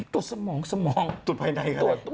ตรวจฟานาคับค่ะ